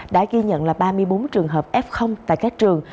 đã ghi nhận ba mươi bốn trường hợp f tại các trường